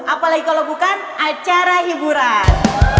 apalagi kalau bukan acara hiburan